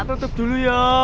tak tutup dulu ya